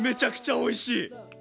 おいしい！